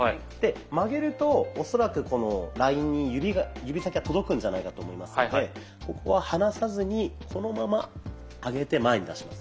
曲げると恐らくこのラインに指先が届くんじゃないかと思いますのでここは離さずにこのまま上げて前に出します。